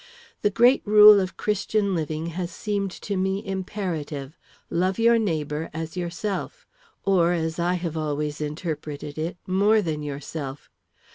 The great rule of Christian living has seemed to me imperative. Love your neighbor as yourself, or, as I have always interpreted it, more than yourself.